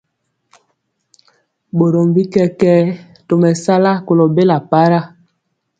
Borom bi kɛkɛɛ tomesala kolo bela para.